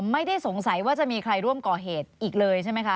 ไม่ได้สงสัยว่าจะมีใครร่วมก่อเหตุอีกเลยใช่ไหมคะ